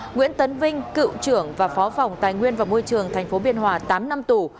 nguyễn tấn vinh cựu trưởng và phó phòng tài nguyên và môi trường tp biên hòa tám năm tù